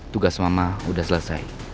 tugas mama udah selesai